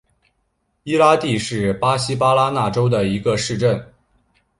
伊拉蒂是巴西巴拉那州的一个市镇。